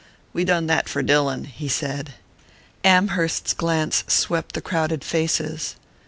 "We done that for Dillon," he said. Amherst's glance swept the crowded faces.